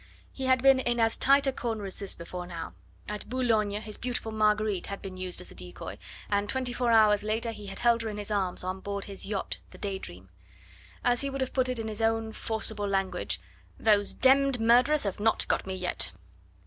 He had been in as tight a corner as this before now; at Boulogne his beautiful Marguerite had been used as a decoy, and twenty four hours later he had held her in his arms on board his yacht the Day Dream. As he would have put it in his own forcible language: "Those d d murderers have not got me yet."